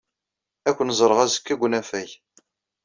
Ad ken-ẓreɣ azekka deg unafag.